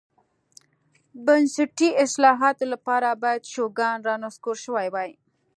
بنسټي اصلاحاتو لپاره باید شوګان رانسکور شوی وای.